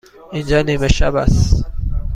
اینجا نیمه شب است.